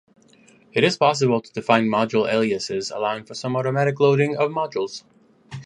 It is possible to define module aliases allowing for some automatic loading of modules.